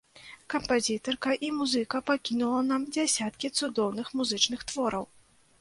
Кампазітарка і музыка пакінула нам дзясяткі цудоўных музычных твораў.